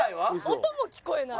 音も聞こえない。